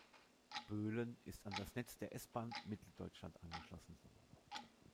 Böhlen ist an das Netz der S-Bahn Mitteldeutschland angeschlossen.